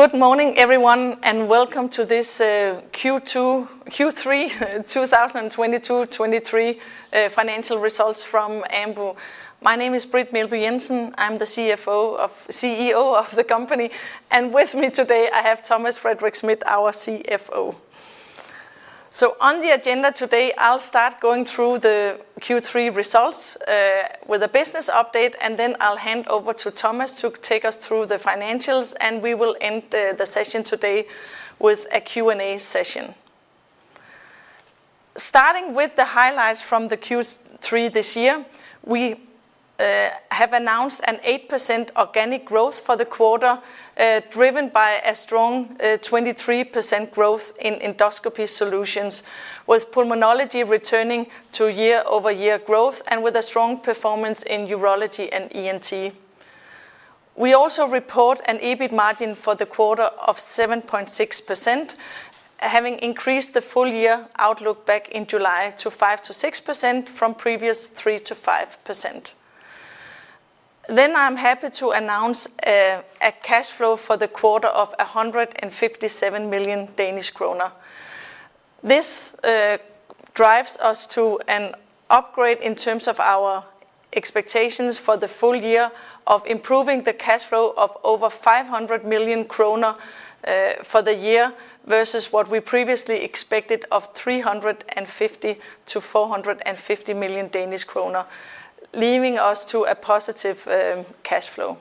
Good morning, everyone, and welcome to this Q2... Q3, 2022, 2023 financial results from Ambu. My name is Britt Meelby Jensen. I'm the CFO of, CEO of the company, and with me today, I have Thomas Frederik Schmidt, our CFO. So on the agenda today, I'll start going through the Q3 results with a business update, and then I'll hand over to Thomas to take us through the financials, and we will end the session today with a Q&A session. Starting with the highlights from the Q3 this year, we have announced an 8% organic growth for the quarter, driven by a strong 23% growth in endoscopy solutions, with Pulmonology returning to year-over-year growth and with a strong performance in Urology and ENT. We also report an EBIT margin for the quarter of 7.6%, having increased the full year outlook back in July to 5%-6% from previous 3%-5%. Then I'm happy to announce a cash flow for the quarter of 157 million Danish kroner. This drives us to an upgrade in terms of our expectations for the full year of improving the cash flow of over 500 million kroner for the year, versus what we previously expected of 350 million-450 million Danish kroner, leaving us to a positive cash flow.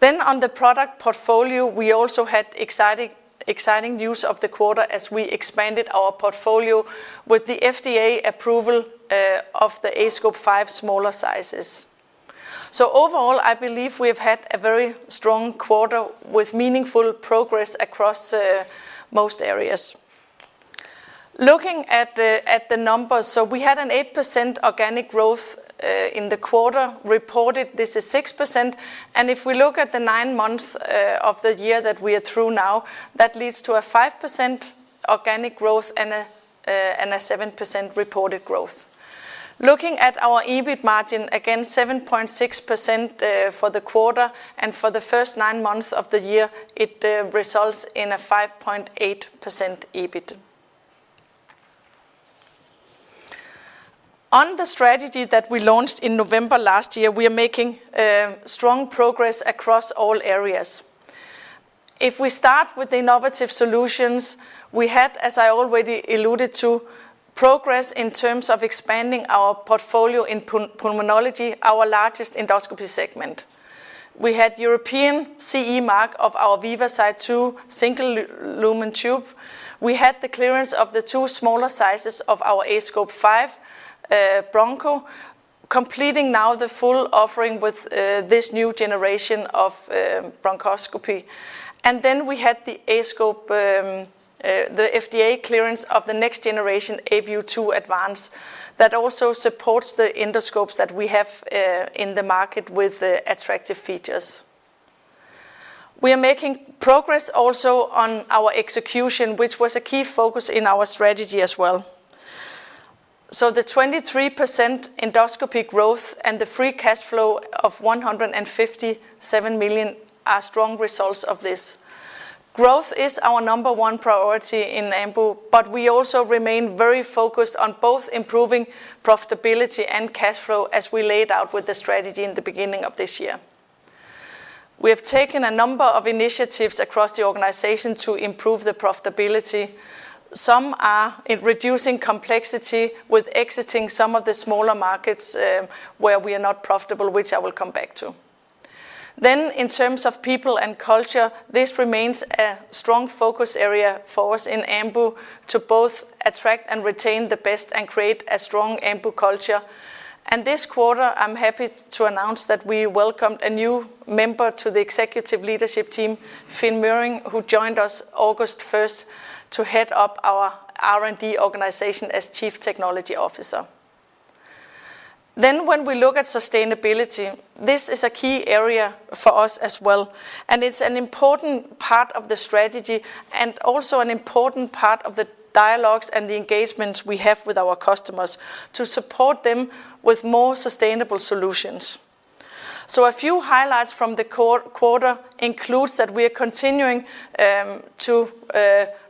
Then on the product portfolio, we also had exciting, exciting news of the quarter as we expanded our portfolio with the FDA approval of the aScope 5 smaller sizes. So overall, I believe we've had a very strong quarter with meaningful progress across most areas. Looking at the numbers, so we had 8% organic growth in the quarter. Reported, this is 6%, and if we look at the 9 months of the year that we are through now, that leads to a 5% organic growth and a and a 7% reported growth. Looking at our EBIT margin, again, 7.6% for the quarter, and for the first 9 months of the year, it results in a 5.8% EBIT. On the strategy that we launched in November last year, we are making strong progress across all areas. If we start with innovative solutions, we had, as I already alluded to, progress in terms of expanding our portfolio in pulmonology, our largest endoscopy segment. We had European CE mark of our VivaSight 2 single-lumen tube. We had the clearance of the two smaller sizes of our aScope 5 Broncho, completing now the full offering with this new generation of bronchoscopy. And then we had the FDA clearance of the next generation aView 2 Advance that also supports the endoscopes that we have in the market with the attractive features. We are making progress also on our execution, which was a key focus in our strategy as well. So the 23% endoscopy growth and the free cash flow of 157 million are strong results of this. Growth is our number one priority in Ambu, but we also remain very focused on both improving profitability and cash flow, as we laid out with the strategy in the beginning of this year. We have taken a number of initiatives across the organization to improve the profitability. Some are in reducing complexity with exiting some of the smaller markets, where we are not profitable, which I will come back to. Then in terms of people and culture, this remains a strong focus area for us in Ambu to both attract and retain the best and create a strong Ambu culture. And this quarter, I'm happy to announce that we welcomed a new member to the executive leadership team, Finn Möhring, who joined us August first, to head up our R&D organization as Chief Technology Officer. Then, when we look at sustainability, this is a key area for us as well, and it's an important part of the strategy and also an important part of the dialogues and the engagements we have with our customers to support them with more sustainable solutions. So a few highlights from the quarter includes that we are continuing to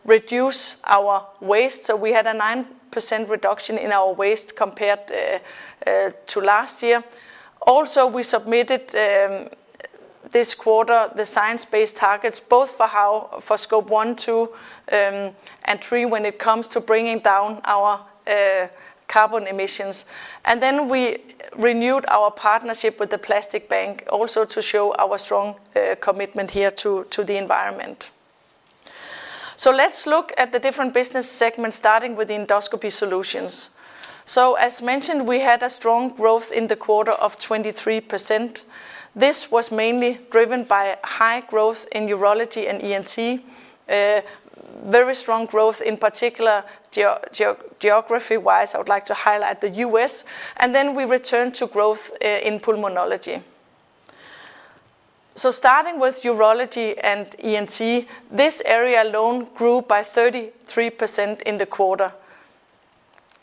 reduce our waste. So we had a 9% reduction in our waste compared to last year. Also, we submitted this quarter the Science-based targets, both for scope 1, 2, and 3 when it comes to bringing down our carbon emissions. And then we renewed our partnership with the Plastic Bank also to show our strong commitment here to the environment. So let's look at the different business segments, starting with the Endoscopy Solutions. So as mentioned, we had a strong growth in the quarter of 23%. This was mainly driven by high growth in Urology and ENT, very strong growth in particular geography-wise, I would like to highlight the U.S., and then we return to growth in Pulmonology. So starting with Urology and ENT, this area alone grew by 33% in the quarter.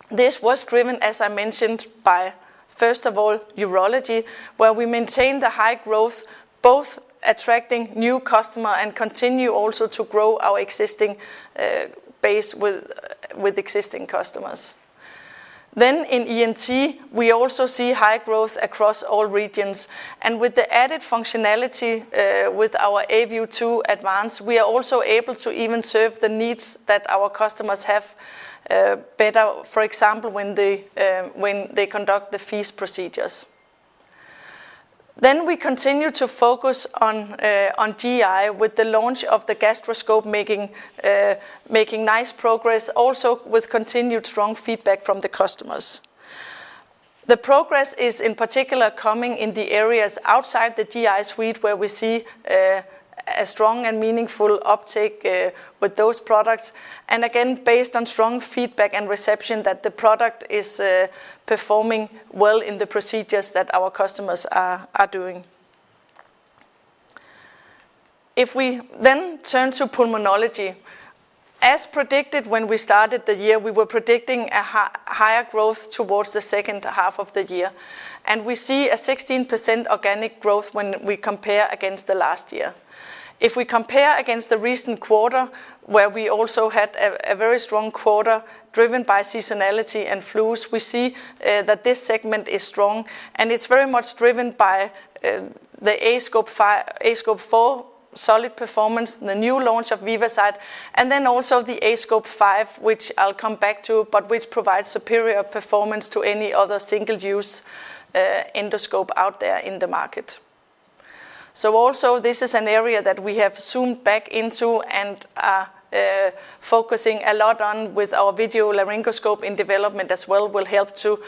This was driven, as I mentioned, by, first of all, Urology, where we maintain the high growth, both attracting new customer and continue also to grow our existing base with existing customers. Then in ENT, we also see high growth across all regions, and with the added functionality with our aView 2 Advance, we are also able to even serve the needs that our customers have better. For example, when they conduct the FEAST procedures. Then we continue to focus on GI with the launch of the gastroscope, making nice progress, also with continued strong feedback from the customers. The progress is, in particular, coming in the areas outside the GI suite, where we see a strong and meaningful uptake with those products, and again, based on strong feedback and reception that the product is performing well in the procedures that our customers are doing. If we then turn to pulmonology, as predicted, when we started the year, we were predicting a higher growth towards the second half of the year, and we see a 16% organic growth when we compare against the last year. If we compare against the recent quarter, where we also had a very strong quarter driven by seasonality and flus, we see that this segment is strong, and it's very much driven by the aScope 4 solid performance, the new launch of VivaSight, and then also the aScope 5, which I'll come back to, but which provides superior performance to any other single-use endoscope out there in the market. So also, this is an area that we have zoomed back into and are focusing a lot on with our video laryngoscope in development as well, will help to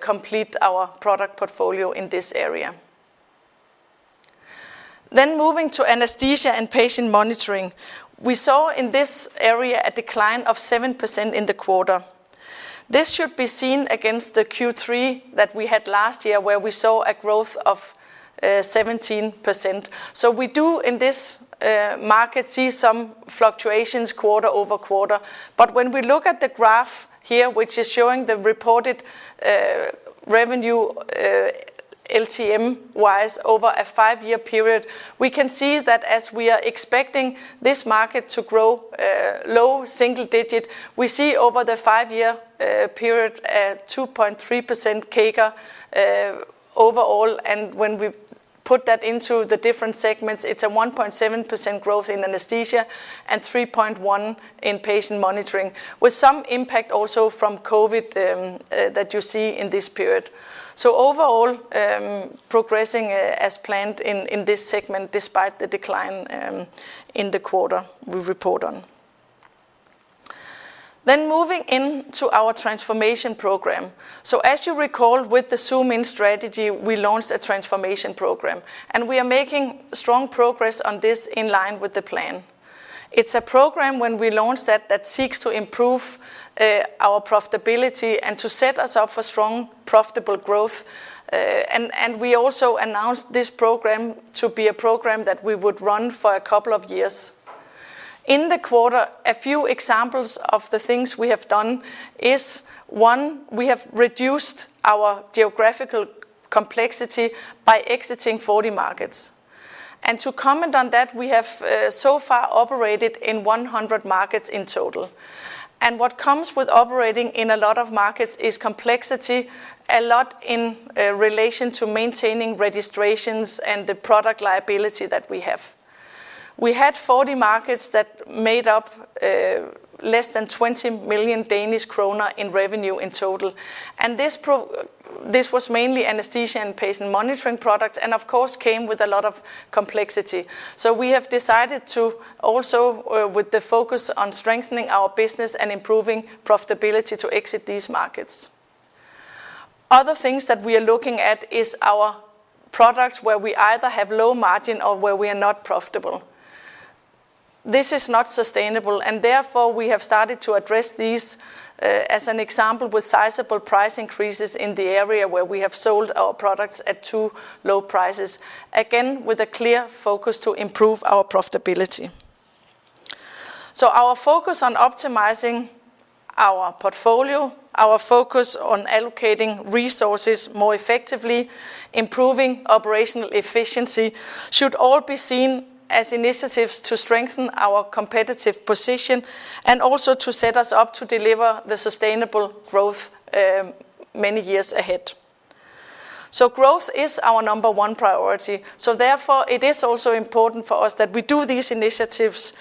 complete our product portfolio in this area. Then moving to anesthesia and patient monitoring. We saw in this area a decline of 7% in the quarter. This should be seen against the Q3 that we had last year, where we saw a growth of 17%. So we do, in this market, see some fluctuations quarter-over-quarter. But when we look at the graph here, which is showing the reported revenue LTM-wise, over a 5-year period, we can see that as we are expecting this market to grow low single digit, we see over the 5-year period, a 2.3% CAGR overall, and when we put that into the different segments, it's a 1.7% growth in anesthesia and 3.1% in patient monitoring, with some impact also from COVID that you see in this period. So overall, progressing as planned in this segment, despite the decline in the quarter we report on. Then moving into our transformation program. So as you recall, with the ZOOM IN strategy, we launched a transformation program, and we are making strong progress on this in line with the plan. It's a program when we launched that seeks to improve our profitability and to set us up for strong, profitable growth. And we also announced this program to be a program that we would run for a couple of years. In the quarter, a few examples of the things we have done is, one, we have reduced our geographical complexity by exiting 40 markets. And to comment on that, we have so far operated in 100 markets in total. And what comes with operating in a lot of markets is complexity, a lot in relation to maintaining registrations and the product liability that we have. We had 40 markets that made up less than 20 million Danish kroner in revenue in total, and this was mainly anesthesia and patient monitoring products, and of course, came with a lot of complexity. So we have decided to also, with the focus on strengthening our business and improving profitability, to exit these markets. Other things that we are looking at is our products, where we either have low margin or where we are not profitable. This is not sustainable, and therefore we have started to address these, as an example, with sizable price increases in the area where we have sold our products at too low prices. Again, with a clear focus to improve our profitability. So our focus on optimizing our portfolio, our focus on allocating resources more effectively, improving operational efficiency, should all be seen as initiatives to strengthen our competitive position, and also to set us up to deliver the sustainable growth many years ahead. So growth is our number one priority. So therefore, it is also important for us that we do these initiatives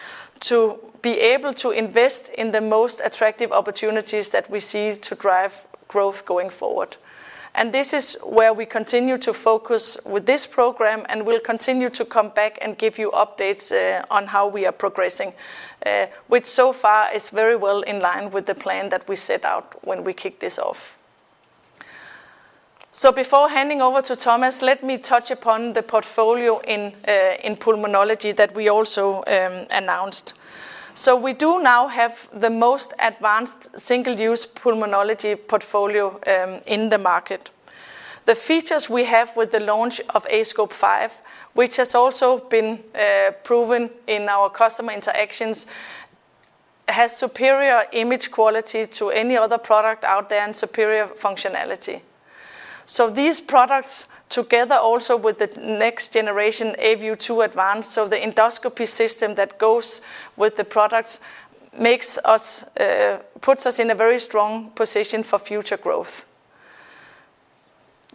to be able to invest in the most attractive opportunities that we see to drive growth going forward. And this is where we continue to focus with this program, and we'll continue to come back and give you updates on how we are progressing, which so far is very well in line with the plan that we set out when we kicked this off. So before handing over to Thomas, let me touch upon the portfolio in pulmonology that we also announced. So we do now have the most advanced single-use pulmonology portfolio in the market. The features we have with the launch of aScope 5, which has also been proven in our customer interactions, has superior image quality to any other product out there and superior functionality. So these products, together also with the next generation aView 2 Advance, so the endoscopy system that goes with the products, makes us puts us in a very strong position for future growth.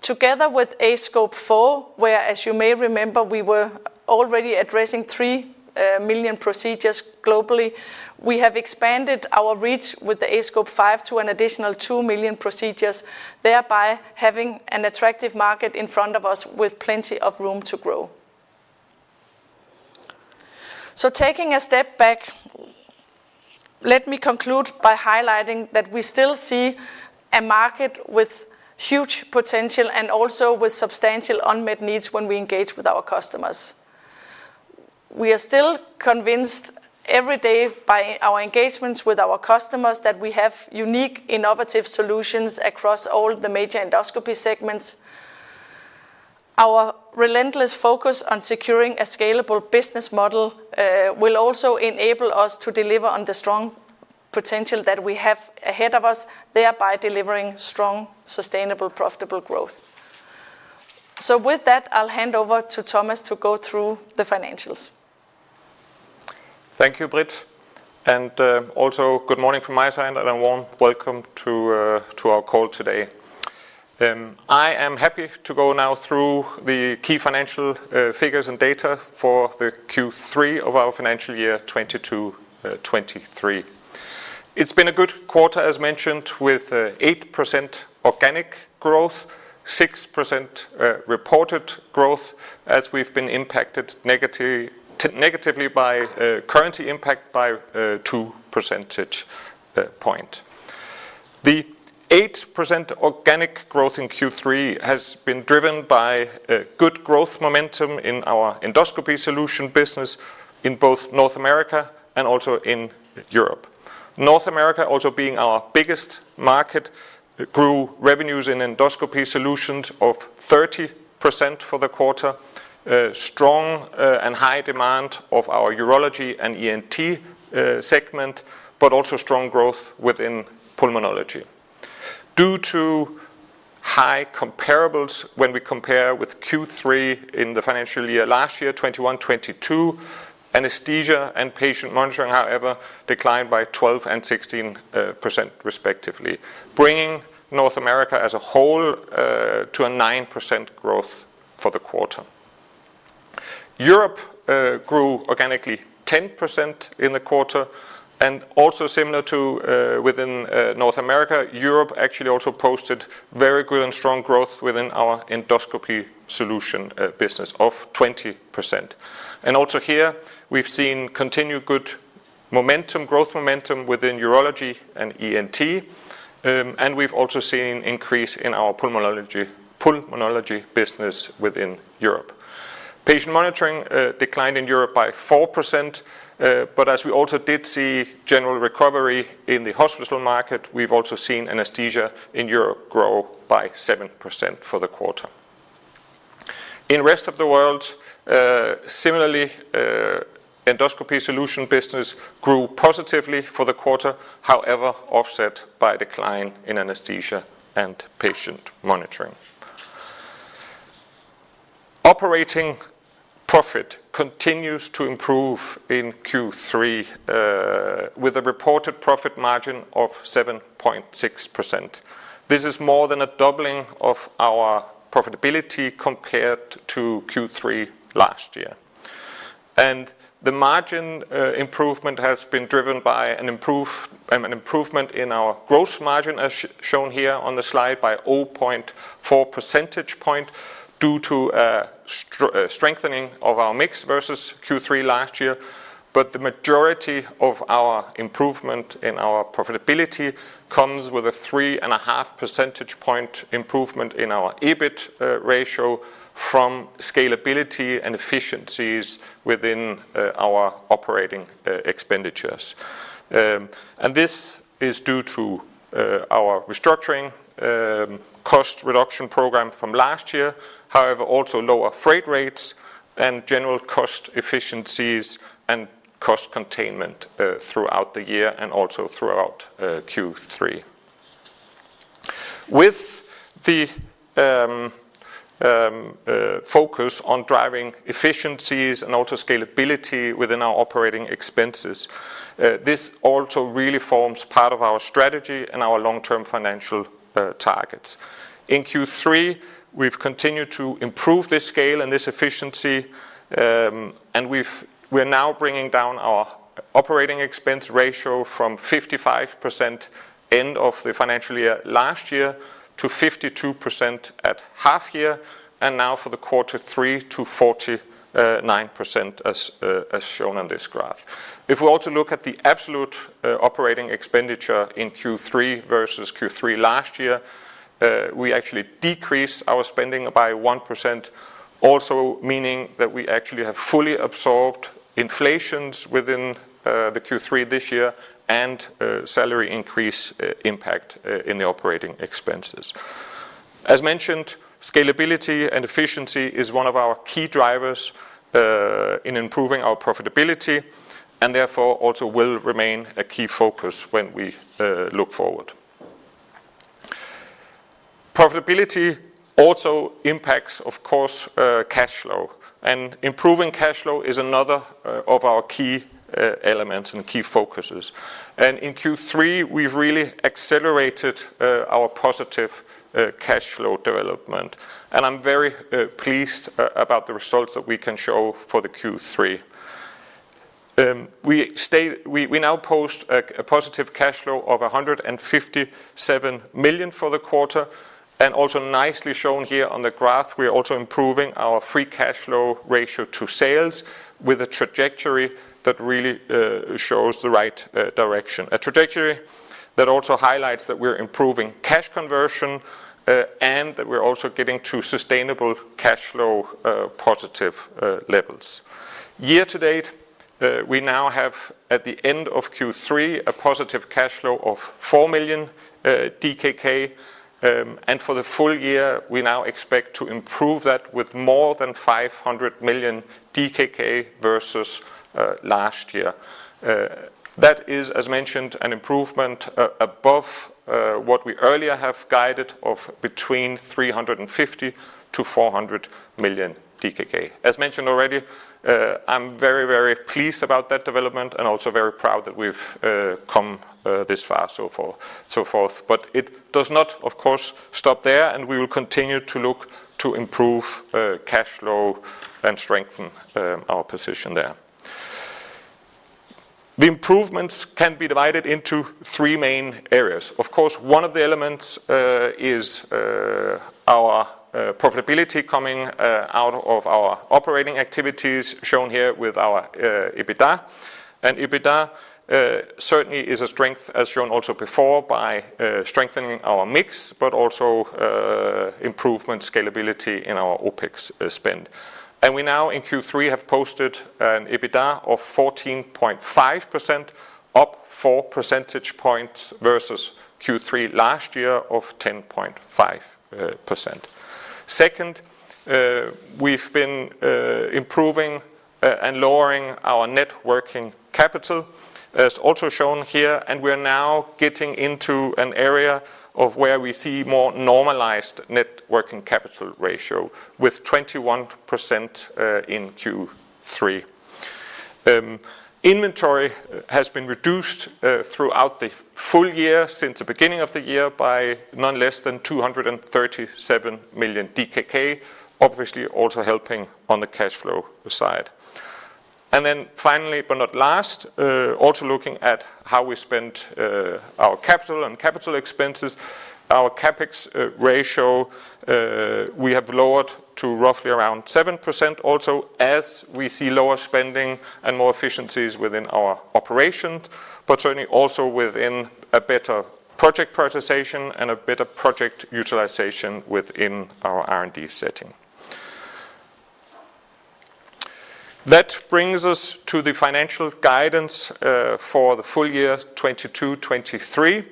Together with aScope 4, where, as you may remember, we were already addressing 3 million procedures globally, we have expanded our reach with the aScope 5 to an additional 2 million procedures, thereby having an attractive market in front of us with plenty of room to grow. So taking a step back, let me conclude by highlighting that we still see a market with huge potential and also with substantial unmet needs when we engage with our customers. We are still convinced every day by our engagements with our customers, that we have unique innovative solutions across all the major endoscopy segments. Our relentless focus on securing a scalable business model, will also enable us to deliver on the strong potential that we have ahead of us, thereby delivering strong, sustainable, profitable growth. So with that, I'll hand over to Thomas to go through the financials. Thank you, Britt, and also good morning from my side, and a warm welcome to our call today. I am happy to go now through the key financial figures and data for the Q3 of our financial year 2022-2023. It's been a good quarter, as mentioned, with 8% organic growth, 6% reported growth, as we've been impacted negatively by currency impact by 2 percentage points. The 8% organic growth in Q3 has been driven by good growth momentum in our Endoscopy Solutions business in both North America and also in Europe. North America, also being our biggest market, grew revenues in Endoscopy Solutions of 30% for the quarter. Strong and high demand of our Urology and ENT segment, but also strong growth within Pulmonology. Due to high comparables, when we compare with Q3 in the financial year last year, 2021-2022, anesthesia and patient monitoring, however, declined by 12% and 16% respectively, bringing North America as a whole to a 9% growth for the quarter. Europe grew organically 10% in the quarter, and also similar to within North America, Europe actually also posted very good and strong growth within our endoscopy solution business of 20%. Also here, we've seen continued good momentum, growth momentum within urology and ENT, and we've also seen increase in our pulmonology business within Europe. Patient monitoring declined in Europe by 4%, but as we also did see general recovery in the hospital market, we've also seen anesthesia in Europe grow by 7% for the quarter. In rest of the world, similarly, endoscopy solution business grew positively for the quarter, however, offset by decline in anesthesia and patient monitoring. Operating profit continues to improve in Q3, with a reported profit margin of 7.6%. This is more than a doubling of our profitability compared to Q3 last year. And the margin improvement has been driven by an improvement in our gross margin, as shown here on the slide, by 0.4 percentage point, due to a strengthening of our mix versus Q3 last year. But the majority of our improvement in our profitability comes with a 3.5 percentage point improvement in our EBIT ratio from scalability and efficiencies within our operating expenditures. And this is due to our restructuring cost reduction program from last year. However, also lower freight rates and general cost efficiencies and cost containment throughout the year and also throughout Q3. With the focus on driving efficiencies and also scalability within our operating expenses, this also really forms part of our strategy and our long-term financial targets. In Q3, we've continued to improve this scale and this efficiency, and we're now bringing down our operating expense ratio from 55% end of the financial year last year to 52% at half year, and now for the quarter three to 49%, as shown on this graph. If we also look at the absolute operating expenditure in Q3 versus Q3 last year, we actually decreased our spending by 1%, also meaning that we actually have fully absorbed inflations within the Q3 this year and salary increase impact in the operating expenses. As mentioned, scalability and efficiency is one of our key drivers in improving our profitability, and therefore, also will remain a key focus when we look forward. Profitability also impacts, of course, cash flow, and improving cash flow is another of our key elements and key focuses. And in Q3, we've really accelerated our positive cash flow development, and I'm very pleased about the results that we can show for the Q3. We stay... We now post a positive cash flow of 157 million for the quarter, and also nicely shown here on the graph, we are also improving our free cash flow ratio to sales with a trajectory that really shows the right direction. A trajectory that also highlights that we're improving cash conversion, and that we're also getting to sustainable cash flow positive levels. Year to date, we now have, at the end of Q3, a positive cash flow of 4 million DKK, and for the full year, we now expect to improve that with more than 500 million DKK versus last year. That is, as mentioned, an improvement above what we earlier have guided of between 350 million-400 million DKK. As mentioned already, I'm very, very pleased about that development and also very proud that we've come this far so far, so forth. But it does not, of course, stop there, and we will continue to look to improve cash flow and strengthen our position there. The improvements can be divided into three main areas. Of course, one of the elements is our profitability coming out of our operating activities, shown here with our EBITDA. EBITDA certainly is a strength, as shown also before, by strengthening our mix, but also improvement scalability in our OpEx spend. We now, in Q3, have posted an EBITDA of 14.5%, up 4 percentage points versus Q3 last year of 10.5%. Second, we've been improving and lowering our net working capital, as also shown here, and we're now getting into an area of where we see more normalized net working capital ratio with 21% in Q3. Inventory has been reduced throughout the full year, since the beginning of the year, by none less than 237 million DKK, obviously also helping on the cash flow side. And then finally, but not last, also looking at how we spend our capital and capital expenses. Our CapEx ratio we have lowered to roughly around 7% also, as we see lower spending and more efficiencies within our operations, but certainly also within a better project prioritization and a better project utilization within our R&D setting. That brings us to the financial guidance for the full year 2022-2023.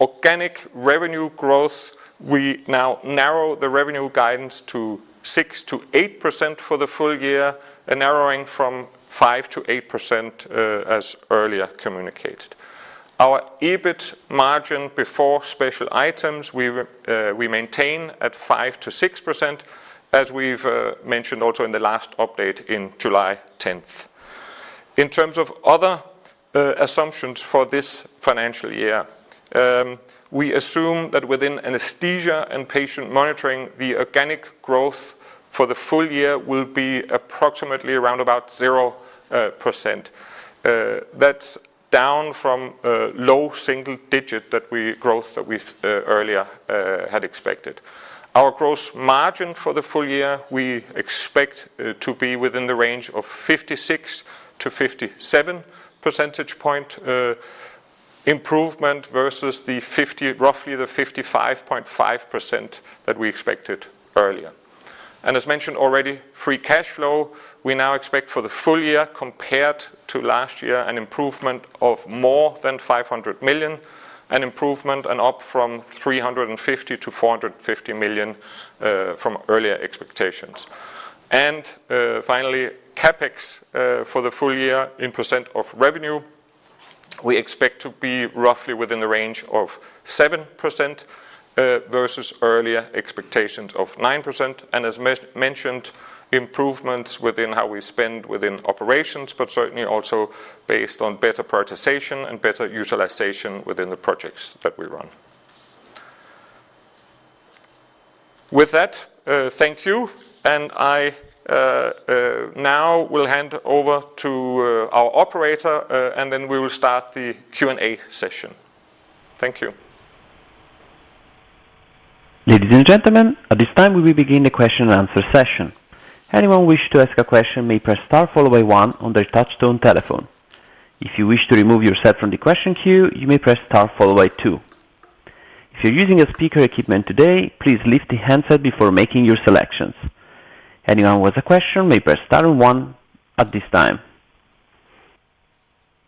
Organic revenue growth, we now narrow the revenue guidance to 6%-8% for the full year, a narrowing from 5%-8%, as earlier communicated. Our EBIT margin before special items, we maintain at 5%-6%, as we've mentioned also in the last update in July 10th. In terms of other assumptions for this financial year, we assume that within anesthesia and patient monitoring, the organic growth for the full year will be approximately around about 0%. That's down from low single-digit growth that we've earlier had expected. Our gross margin for the full year, we expect to be within the range of 56-57 percentage point improvement versus roughly the 55.5% that we expected earlier. And as mentioned already, free cash flow, we now expect for the full year, compared to last year, an improvement of more than 500 million, an improvement and up from 350 million-450 million from earlier expectations. And finally, CapEx for the full year in percent of revenue, we expect to be roughly within the range of 7%, versus earlier expectations of 9%, and as mentioned, improvements within how we spend within operations, but certainly also based on better prioritization and better utilization within the projects that we run. With that, thank you. And I now will hand over to our operator, and then we will start the Q&A session. Thank you. Ladies and gentlemen, at this time, we will begin the question and answer session. Anyone wish to ask a question may press star followed by one on their touchtone telephone. If you wish to remove yourself from the question queue, you may press star followed by two. If you're using a speaker equipment today, please lift the handset before making your selections. Anyone with a question may press star one at this time.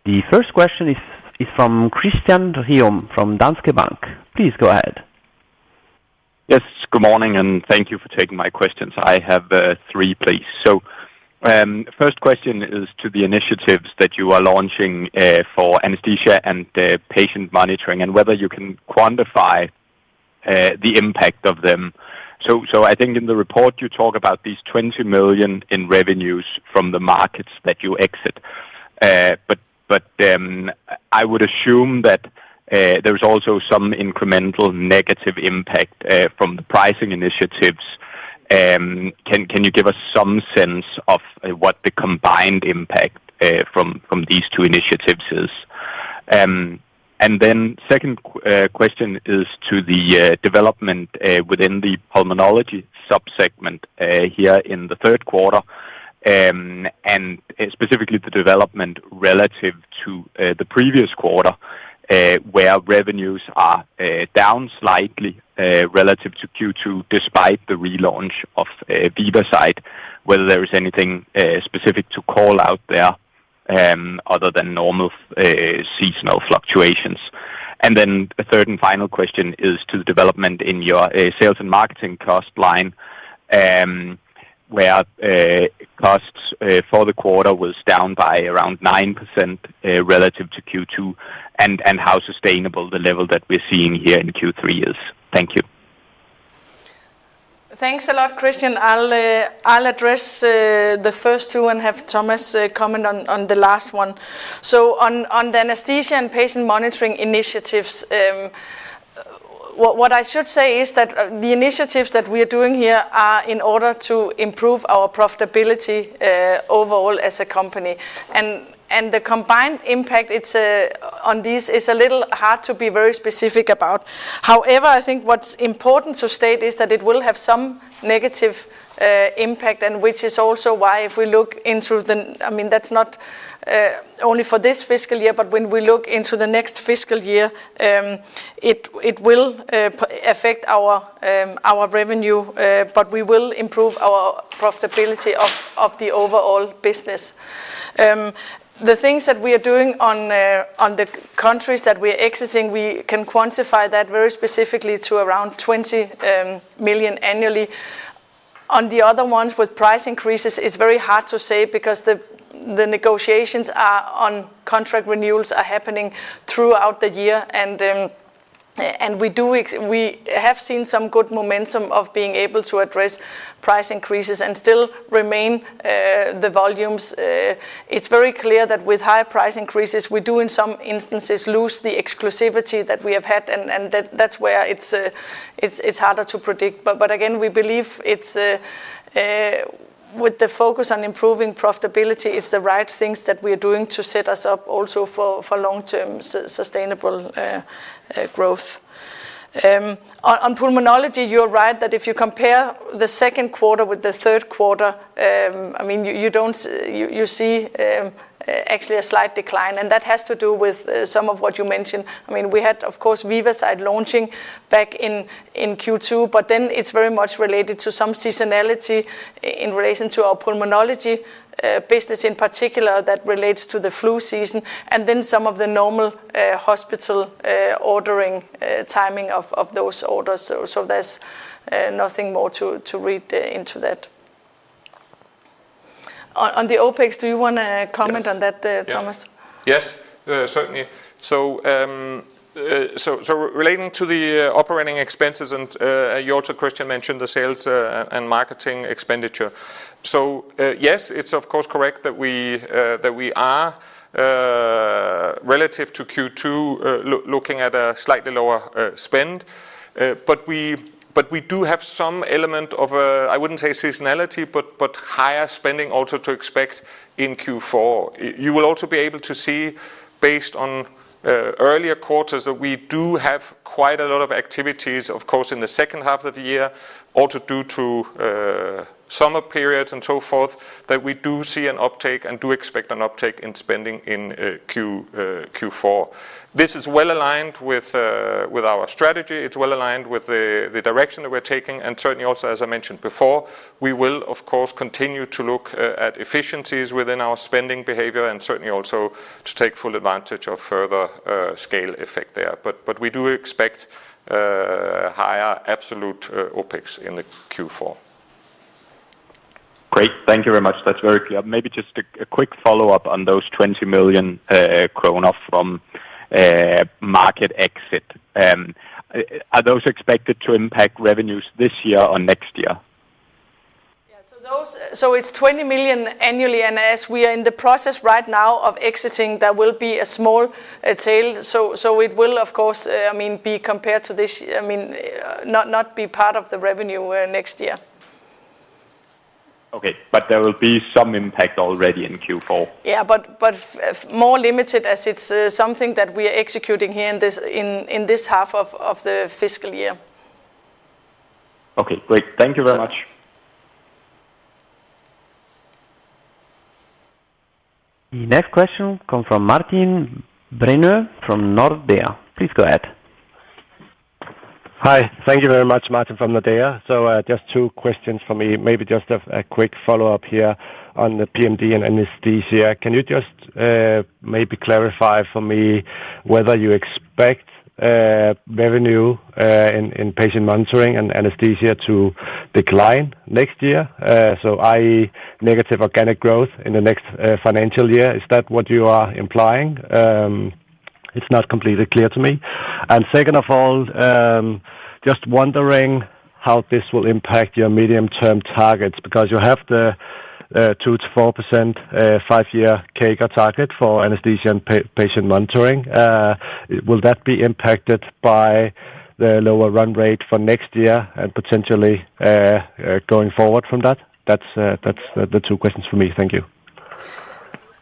The first question is, is from Christian Ryom from Danske Bank. Please go ahead. Yes, good morning, and thank you for taking my questions. I have three, please. So, first question is to the initiatives that you are launching for anesthesia and the patient monitoring, and whether you can quantify the impact of them. So, I think in the report, you talk about these 20 million in revenues from the markets that you exit. But, I would assume that there is also some incremental negative impact from the pricing initiatives. Can you give us some sense of what the combined impact from these two initiatives is? And then second question is to the development within the Pulmonology sub-segment here in the third quarter, and specifically the development relative to the previous quarter, where revenues are down slightly relative to Q2, despite the relaunch of VivaSight, whether there is anything specific to call out there, other than normal seasonal fluctuations. And then a third and final question is to the development in your sales and marketing cost line, where costs for the quarter was down by around 9% relative to Q2, and how sustainable the level that we're seeing here in Q3 is. Thank you. Thanks a lot, Christian. I'll, I'll address the first two and have Thomas comment on the last one. So on the anesthesia and patient monitoring initiatives, what I should say is that the initiatives that we are doing here are in order to improve our profitability overall as a company. And the combined impact on these is a little hard to be very specific about. However, I think what's important to state is that it will have some negative impact, and which is also why if we look into the... I mean, that's not only for this fiscal year, but when we look into the next fiscal year, it will affect our revenue, but we will improve our profitability of the overall business. The things that we are doing on the countries that we're exiting, we can quantify that very specifically to around 20 million annually. On the other ones, with price increases, it's very hard to say because the negotiations on contract renewals are happening throughout the year, and we have seen some good momentum of being able to address price increases and still remain the volumes. It's very clear that with higher price increases, we do, in some instances, lose the exclusivity that we have had, and that's where it's harder to predict. But again, we believe it's with the focus on improving profitability, it's the right things that we are doing to set us up also for long-term sustainable growth. On pulmonology, you're right, that if you compare the second quarter with the third quarter, I mean, you don't, you see, actually a slight decline, and that has to do with some of what you mentioned. I mean, we had, of course, VivaSight launching back in Q2, but then it's very much related to some seasonality in relation to our pulmonology business, in particular, that relates to the flu season, and then some of the normal hospital ordering timing of those orders. So there's nothing more to read into that. On the OpEx, do you wanna comment on that? Yes. -uh, Thomas? Yes, certainly. So, relating to the operating expenses, and you also, Christian, mentioned the sales and marketing expenditure. So, yes, it's of course correct that we are relative to Q2 looking at a slightly lower spend. But we do have some element of a, I wouldn't say seasonality, but higher spending also to expect in Q4. You will also be able to see, based on earlier quarters, that we do have quite a lot of activities, of course, in the second half of the year, also due to summer periods and so forth, that we do see an uptake and do expect an uptake in spending in Q4. This is well aligned with our strategy. It's well aligned with the direction that we're taking, and certainly also, as I mentioned before, we will, of course, continue to look at efficiencies within our spending behavior, and certainly also to take full advantage of further scale effect there. But we do expect higher absolute OpEx in the Q4. Great. Thank you very much. That's very clear. Maybe just a quick follow-up on those 20 million kroner from market exit. Are those expected to impact revenues this year or next year? Yeah. So those, so it's 20 million annually, and as we are in the process right now of exiting, there will be a small tail. So, so it will, of course, I mean, be compared to this, I mean, not, not be part of the revenue next year. Okay, but there will be some impact already in Q4? Yeah, but more limited as it's something that we are executing here in this half of the fiscal year. Okay, great. Thank you very much. The next question comes from Martin Brenøe from Nordea. Please go ahead. Hi. Thank you very much, Martin from Nordea. So, just two questions for me. Maybe just a quick follow-up here on the PMD and anesthesia. Can you just, maybe clarify for me whether you expect, revenue, in, in patient monitoring and anesthesia to decline next year? So, i.e., negative organic growth in the next, financial year. Is that what you are implying? It's not completely clear to me. And second of all, just wondering how this will impact your medium-term targets, because you have the, 2%-4%, five-year CAGR target for anesthesia and patient monitoring. Will that be impacted by the lower run rate for next year and potentially, going forward from that? That's, that's the two questions for me. Thank you.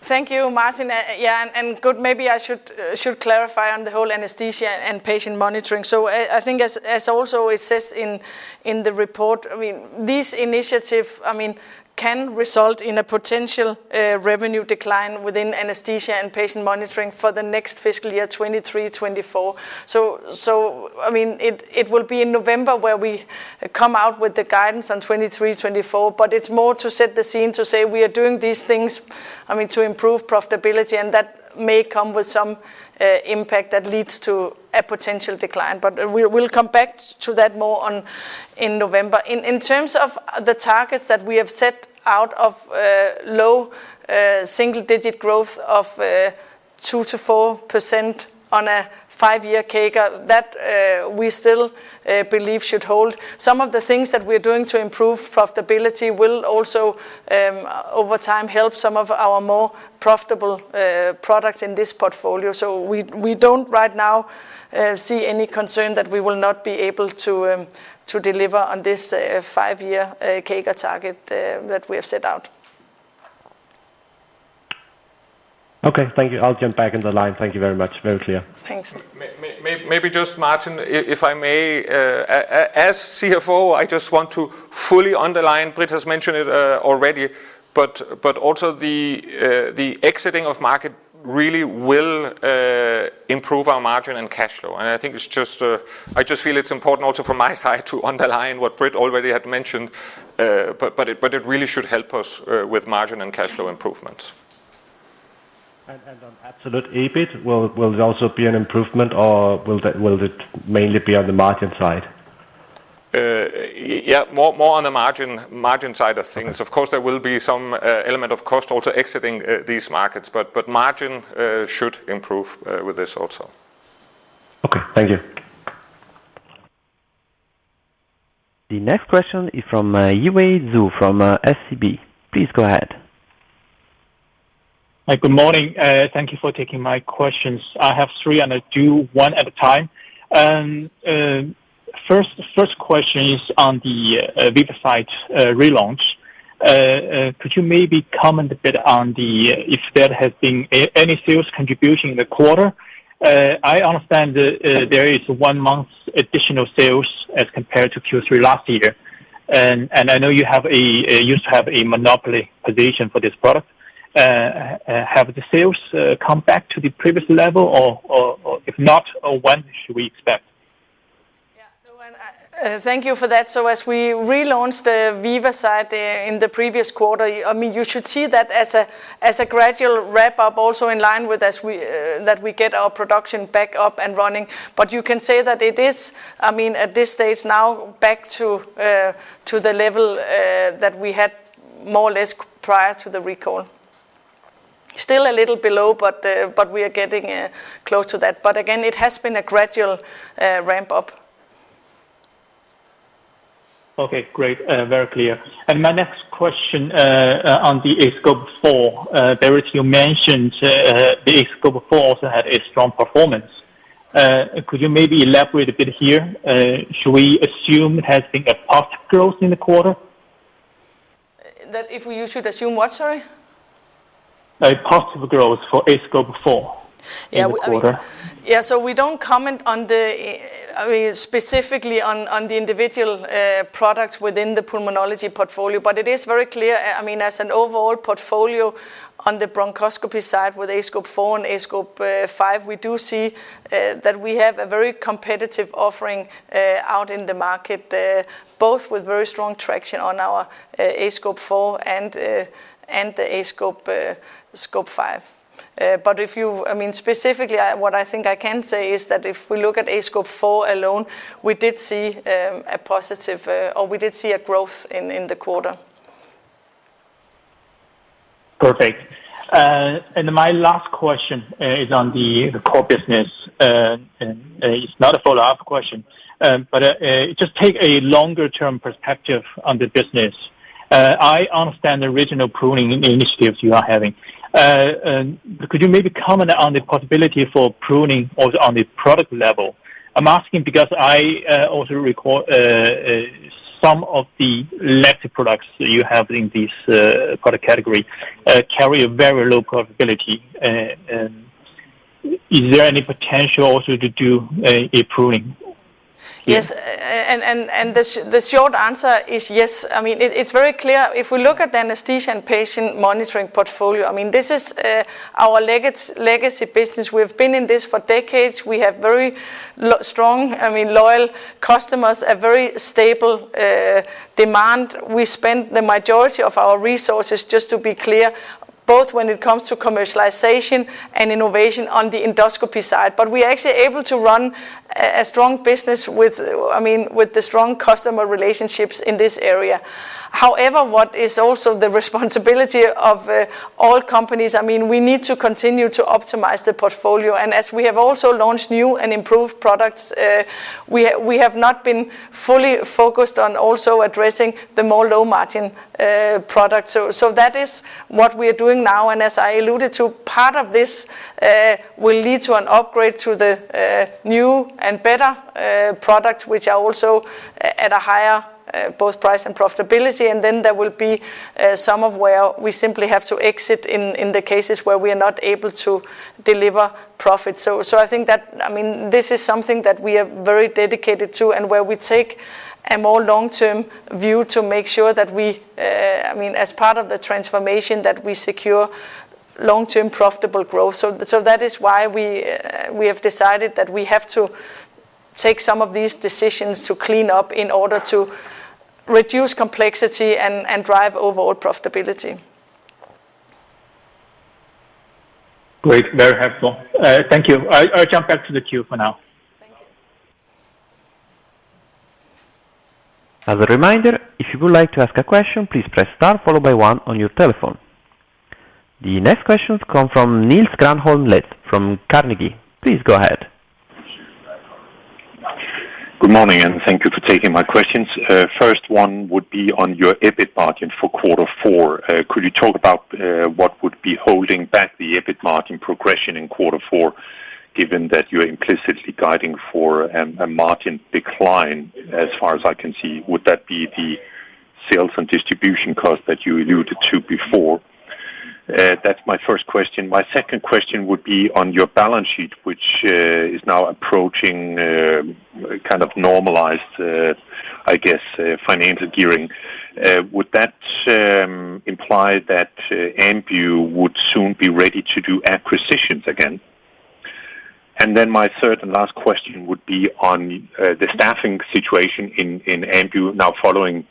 Thank you, Martin. Yeah, maybe I should clarify on the whole anesthesia and patient monitoring. So I think as also it says in the report, I mean, this initiative, I mean, can result in a potential revenue decline within anesthesia and patient monitoring for the next fiscal year, 2023, 2024. So I mean, it will be in November, where we come out with the guidance on 2023, 2024, but it's more to set the scene to say we are doing these things, I mean, to improve profitability, and that may come with some impact that leads to a potential decline. But we'll come back to that more in November. In terms of the targets that we have set out of low single digit growth of 2%-4% on a five-year CAGR, that we still believe should hold. Some of the things that we're doing to improve profitability will also over time help some of our more profitable products in this portfolio. So we don't right now see any concern that we will not be able to deliver on this five-year CAGR target that we have set out. Okay, thank you. I'll jump back in the line. Thank you very much. Very clear. Thanks. Maybe just, Martin, if I may, as CFO, I just want to fully underline. Britt has mentioned it already, but also the exiting of market really will improve our margin and cash flow. I think it's just, I just feel it's important also from my side to underline what Britt already had mentioned. But it really should help us with margin and cash flow improvements. On absolute EBIT, will there also be an improvement or will it mainly be on the margin side? Yeah, more on the margin side of things. Okay. Of course, there will be some element of cost also exiting these markets, but margin should improve with this also. Okay, thank you. The next question is from Yiwei Zhou, from SEB. Please go ahead. ... Hi, good morning. Thank you for taking my questions. I have three, and I do one at a time. First question is on the VivaSight relaunch. Could you maybe comment a bit on if there has been any sales contribution in the quarter? I understand there is one month additional sales as compared to Q3 last year. And I know you used to have a monopoly position for this product. Have the sales come back to the previous level, or if not, when should we expect? Yeah. So and, thank you for that. So as we relaunched the VivaSight in the previous quarter, I mean, you should see that as a, as a gradual ramp-up, also in line with as we, that we get our production back up and running. But you can say that it is, I mean, at this stage now, back to, to the level that we had more or less prior to the recall. Still a little below, but, but we are getting close to that. But again, it has been a gradual ramp-up. Okay, great. Very clear. My next question, on the aScope 4. Britt, you mentioned, the aScope 4 also had a strong performance. Could you maybe elaborate a bit here? Should we assume it has been a positive growth in the quarter? That if we you should assume what? Sorry? A positive growth for aScope 4- Yeah- in the quarter. Yeah, so we don't comment on the, I mean, specifically on, on the individual products within the pulmonology portfolio, but it is very clear, I mean, as an overall portfolio on the bronchoscopy side with aScope 4 and aScope 5, we do see that we have a very competitive offering out in the market, both with very strong traction on our aScope 4 and the aScope 5. But if you, I mean, specifically, what I think I can say is that if we look at aScope 4 alone, we did see a positive or we did see a growth in the quarter. Perfect. And my last question is on the core business. And it's not a follow-up question, but just take a longer term perspective on the business. I understand the original pruning initiatives you are having. Could you maybe comment on the possibility for pruning also on the product level? I'm asking because I also recall some of the legacy products you have in this product category carry a very low profitability. And is there any potential also to do a pruning? Yes. And the short answer is yes. I mean, it's very clear. If we look at the anesthesia and patient monitoring portfolio, I mean, this is our legacy business. We've been in this for decades. We have very strong, I mean, loyal customers, a very stable demand. We spend the majority of our resources, just to be clear, both when it comes to commercialization and innovation on the endoscopy side. But we are actually able to run a strong business with, I mean, with the strong customer relationships in this area. However, what is also the responsibility of all companies, I mean, we need to continue to optimize the portfolio. And as we have also launched new and improved products, we have not been fully focused on also addressing the more low-margin products. So that is what we are doing now, and as I alluded to, part of this will lead to an upgrade to the new and better products, which are also at a higher both price and profitability. And then there will be some of where we simply have to exit in the cases where we are not able to deliver profits. So I think that... I mean, this is something that we are very dedicated to and where we take a more long-term view to make sure that we, I mean, as part of the transformation, that we secure long-term profitable growth. So that is why we have decided that we have to take some of these decisions to clean up in order to reduce complexity and drive overall profitability. Great. Very helpful. Thank you. I'll jump back to the queue for now. Thank you. As a reminder, if you would like to ask a question, please press star followed by one on your telephone. The next question comes from Niels Granholm-Leth from Carnegie. Please go ahead. Good morning, and thank you for taking my questions. First one would be on your EBIT margin for quarter four. Could you talk about what would be holding back the EBIT margin progression in quarter four, given that you're implicitly guiding for a margin decline, as far as I can see? Would that be the sales and distribution costs that you alluded to before? That's my first question. My second question would be on your balance sheet, which is now approaching kind of normalized, I guess, financial gearing. Would that imply that Ambu would soon be ready to do acquisitions again? And then my third and last question would be on the staffing situation in Ambu now following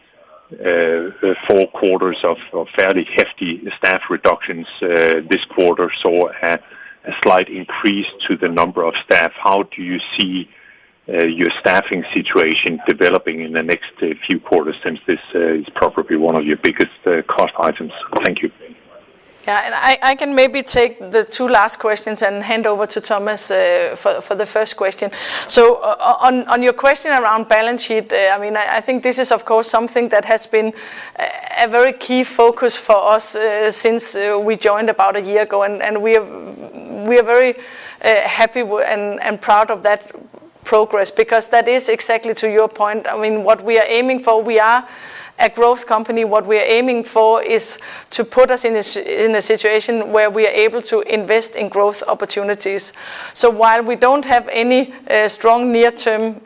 four quarters of fairly hefty staff reductions. This quarter saw a slight increase to the number of staff. How do you see your staffing situation developing in the next few quarters, since this is probably one of your biggest cost items? Thank you. Yeah, and I can maybe take the two last questions and hand over to Thomas for the first question. So on your question around balance sheet, I mean, I think this is, of course, something that has been a very key focus for us, since we joined about a year ago, and we are very happy and proud of that progress, because that is exactly to your point. I mean, what we are aiming for, we are a growth company. What we are aiming for is to put us in a situation where we are able to invest in growth opportunities. So while we don't have any strong near-term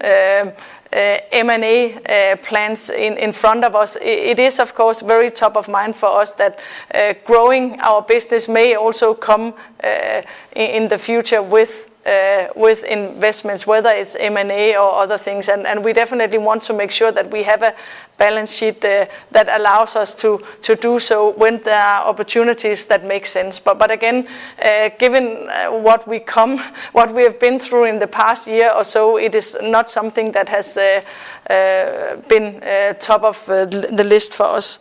M&A plans in front of us, it is, of course, very top of mind for us that growing our business may also come in the future with investments, whether it's M&A or other things. And we definitely want to make sure that we have a balance sheet that allows us to do so when there are opportunities that make sense. But again, given what we have been through in the past year or so, it is not something that has been top of the list for us.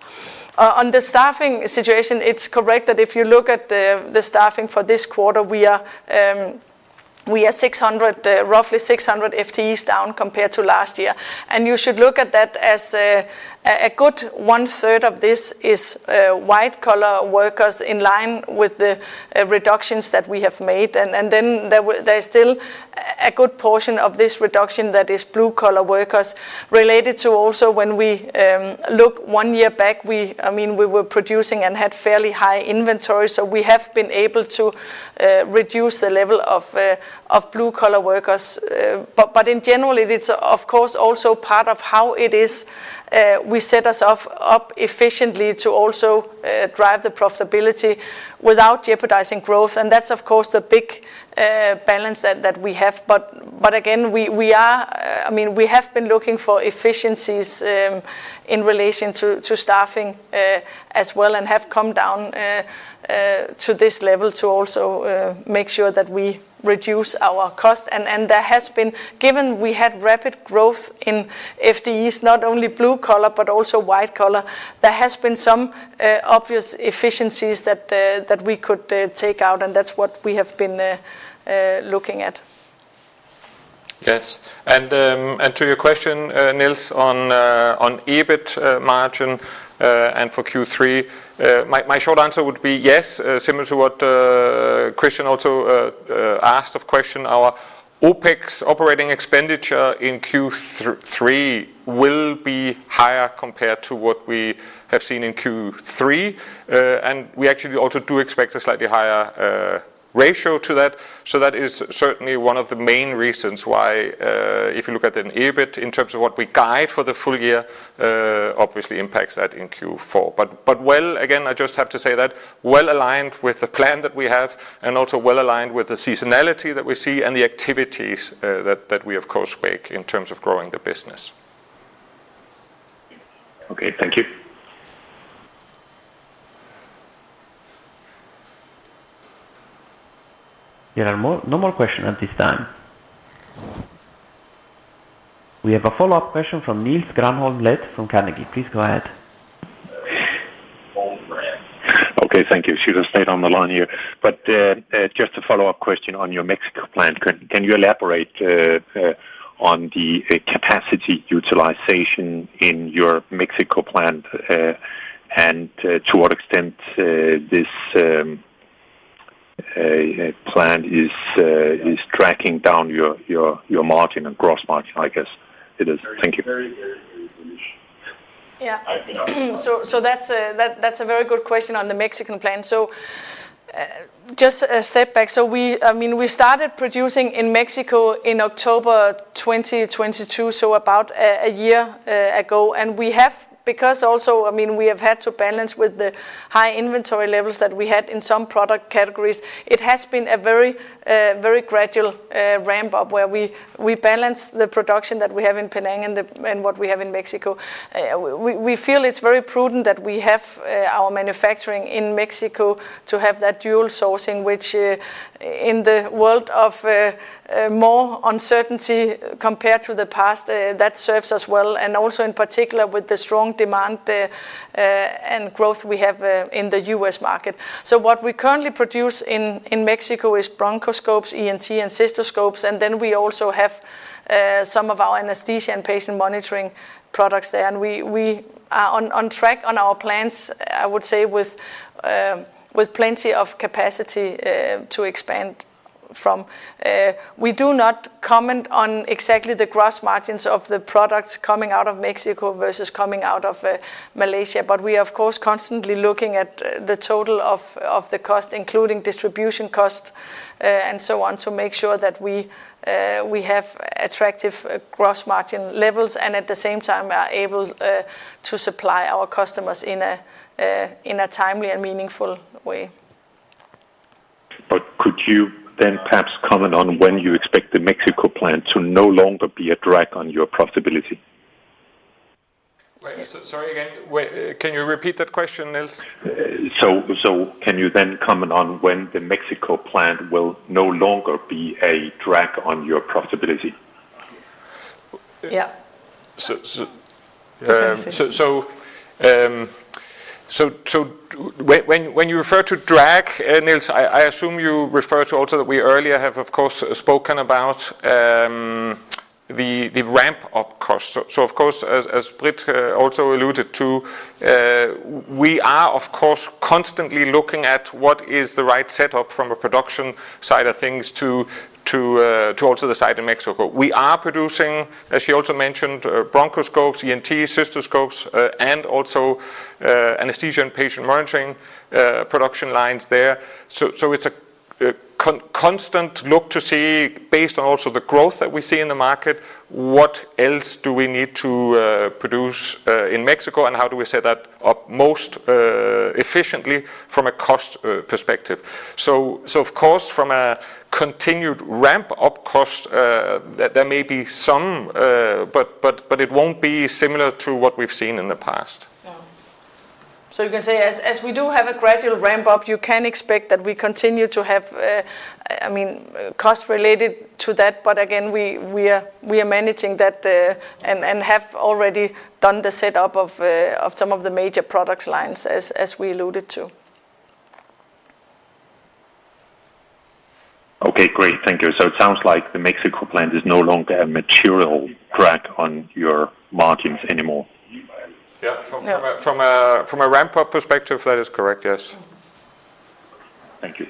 On the staffing situation, it's correct that if you look at the staffing for this quarter, we are 600, roughly 600 FTEs down compared to last year. And you should look at that as a good one-third of this is white-collar workers in line with the reductions that we have made. And then there is still a good portion of this reduction that is blue-collar workers related to also when we look one year back, we, I mean, we were producing and had fairly high inventory, so we have been able to reduce the level of blue-collar workers. But in general, it's of course also part of how it is we set ourselves up efficiently to also drive the profitability without jeopardizing growth, and that's of course the big balance that we have. But again, we are, I mean, we have been looking for efficiencies in relation to staffing as well, and have come down to this level to also make sure that we reduce our cost. And there has been... Given we had rapid growth in FTEs, not only blue collar, but also white collar, there has been some obvious efficiencies that we could take out, and that's what we have been looking at. Yes. And, and to your question, Niels, on, on EBIT margin, and for Q3, my, my short answer would be yes. Similar to what, Christian also, asked of question, our OpEx operating expenditure in Q three will be higher compared to what we have seen in Q3. And we actually also do expect a slightly higher, ratio to that, so that is certainly one of the main reasons why, if you look at an EBIT in terms of what we guide for the full year, obviously impacts that in Q4. But, well, again, I just have to say that well-aligned with the plan that we have, and also well-aligned with the seasonality that we see and the activities, that, that we, of course, make in terms of growing the business. Okay. Thank you. There are no more questions at this time. We have a follow-up question from Niels Granholm-Lett from Carnegie. Please go ahead. Okay, thank you. Should have stayed on the line here. But, just a follow-up question on your Mexico plant. Can you elaborate on the capacity utilization in your Mexico plant? And, to what extent this plant is tracking down your margin and gross margin, I guess it is. Thank you. Yeah. So that's a very good question on the Mexican plant. So just a step back. So we, I mean, we started producing in Mexico in October 2022, so about a year ago. And we have, because also, I mean, we have had to balance with the high inventory levels that we had in some product categories, it has been a very very gradual ramp-up, where we balance the production that we have in Penang and what we have in Mexico. We feel it's very prudent that we have our manufacturing in Mexico to have that dual sourcing, which in the world of more uncertainty compared to the past, that serves us well, and also in particular, with the strong demand and growth we have in the U.S. market. So what we currently produce in Mexico is bronchoscopes, ENT, and cystoscopes, and then we also have some of our anesthesia and patient monitoring products there. And we are on track on our plans, I would say, with plenty of capacity to expand from. We do not comment on exactly the gross margins of the products coming out of Mexico versus coming out of Malaysia, but we are, of course, constantly looking at the total of the cost, including distribution cost, and so on, to make sure that we have attractive gross margin levels and at the same time, are able to supply our customers in a timely and meaningful way. Could you then perhaps comment on when you expect the Mexico plant to no longer be a drag on your profitability? Wait, so sorry again. Wait, can you repeat that question, Niels? So, can you then comment on when the Mexico plant will no longer be a drag on your profitability? Yeah. So, when you refer to drag, Niels, I assume you refer to also that we earlier have, of course, spoken about the ramp-up cost. So of course, as Britt also alluded to, we are, of course, constantly looking at what is the right setup from a production side of things to also the side of Mexico. We are producing, as she also mentioned, bronchoscopes, ENT, cystoscopes, and also anesthesia and patient monitoring production lines there. So it's a constant look to see, based on also the growth that we see in the market, what else do we need to produce in Mexico, and how do we set that up most efficiently from a cost perspective? So, of course, from a continued ramp-up cost, there may be some, but it won't be similar to what we've seen in the past. Yeah. So you can say as we do have a gradual ramp-up, you can expect that we continue to have, I mean, cost related to that, but again, we are managing that, and have already done the setup of some of the major product lines as we alluded to. Okay, great. Thank you. So it sounds like the Mexico plant is no longer a material drag on your margins anymore? Yeah. Yeah. From a ramp-up perspective, that is correct, yes. Thank you.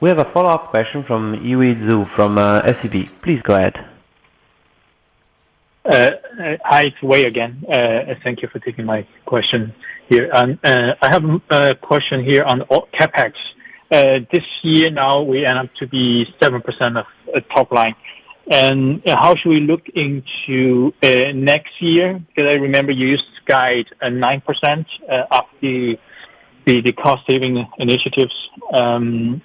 We have a follow-up question from Yiwei Zhou from SEB. Please go ahead. Hi, it's Yiwei again. Thank you for taking my question here. I have a question here on CapEx. This year now we end up to be 7% of top line. And how should we look into next year? Because I remember you used to guide nine percent after the cost-saving initiatives, and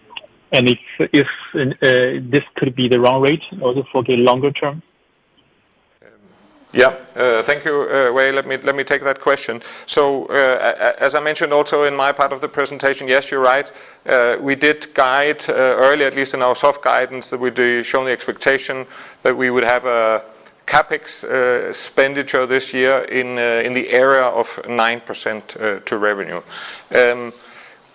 if this could be the wrong rate also for the longer term? Yeah. Thank you, Yiwei. Let me, let me take that question. So, as I mentioned also in my part of the presentation, yes, you're right. We did guide early, at least in our soft guidance, that we do show the expectation that we would have a CapEx expenditure this year in the area of 9% to revenue.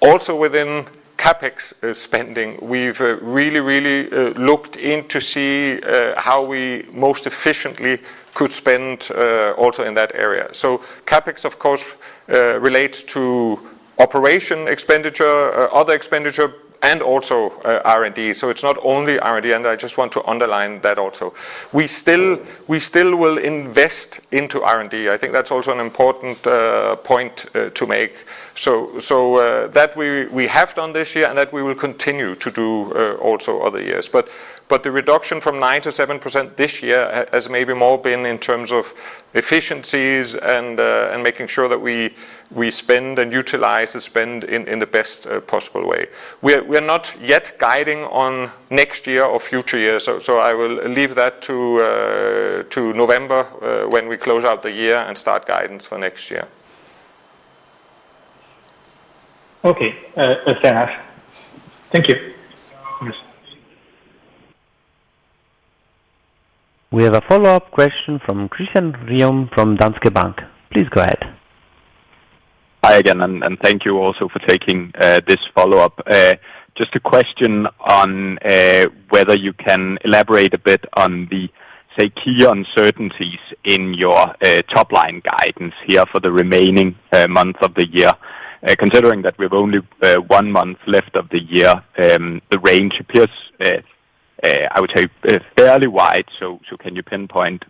Also within CapEx spending, we've really, really looked into to see how we most efficiently could spend also in that area. So CapEx, of course, relates to operating expenditure, other expenditure, and also R&D. So it's not only R&D, and I just want to underline that also. We still, we still will invest into R&D. I think that's also an important point to make. So, that we have done this year, and that we will continue to do also other years. But the reduction from 9%-7% this year has maybe more been in terms of efficiencies and making sure that we spend and utilize the spend in the best possible way. We are not yet guiding on next year or future years, so I will leave that to November when we close out the year and start guidance for next year. Okay, thanks. Thank you. Yes. We have a follow-up question from Christian Ryom from Danske Bank. Please go ahead. Hi again, and thank you also for taking this follow-up. Just a question on whether you can elaborate a bit on the, say, key uncertainties in your top-line guidance here for the remaining months of the year. Considering that we have only one month left of the year, the range appears, I would say, fairly wide. So can you pinpoint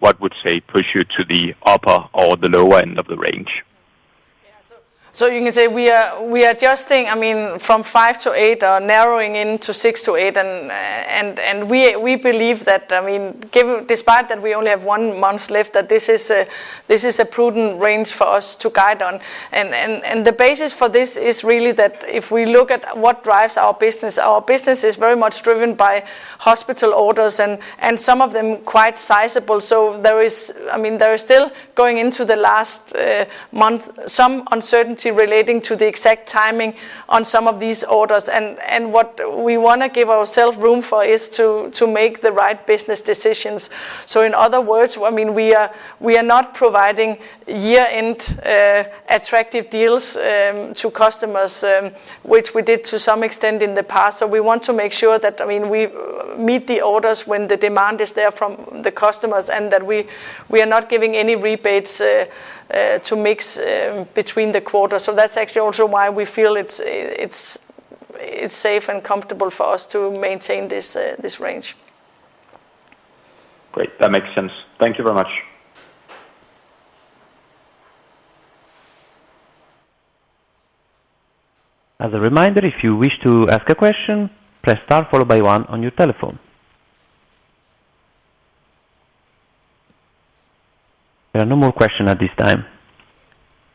what would, say, push you to the upper or the lower end of the range? Yeah, so, so you can say we are, we are adjusting, I mean, from 5 to 8, narrowing in to 6 to 8, and, and, and we, we believe that, I mean, given—despite that we only have 1 month left, that this is a, this is a prudent range for us to guide on. And, and, and the basis for this is really that if we look at what drives our business, our business is very much driven by hospital orders and, and some of them quite sizable. So there is—I mean, there is still, going into the last month, some uncertainty relating to the exact timing on some of these orders. And, and what we wanna give ourselves room for is to, to make the right business decisions. So in other words, I mean, we are, we are not providing year-end attractive deals to customers, which we did to some extent in the past. So we want to make sure that, I mean, we meet the orders when the demand is there from the customers, and that we, we are not giving any rebates to mix between the quarters. So that's actually also why we feel it's, it's, it's safe and comfortable for us to maintain this, this range. Great, that makes sense. Thank you very much. As a reminder, if you wish to ask a question, press star followed by one on your telephone. There are no more questions at this time.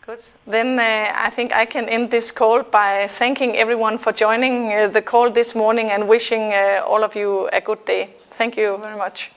Good. Then, I think I can end this call by thanking everyone for joining, the call this morning and wishing, all of you a good day. Thank you very much.